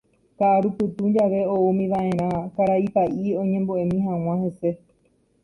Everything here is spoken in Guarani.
Ka'arupytũ jave oúmiva'erã karai pa'i oñembo'emi hag̃ua hese.